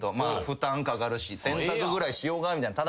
負担かかるし洗濯ぐらいしようかみたいな。